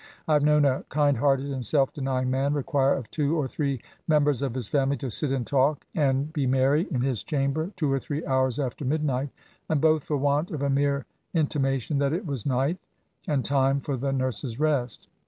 I have known a kind* hearted and self denying man require of two or three members of his family to sit and talk and be merry in his chamber, two or three hours after midnight :— and both for want of a mere intima tion that it was night, and time for the nurse's rest.